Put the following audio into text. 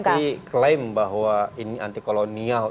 berarti klaim bahwa ini anti kolonial